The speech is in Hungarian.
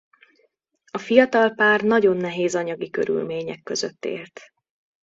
A fiatal pár nagyon nehéz anyagi körülmények között élt.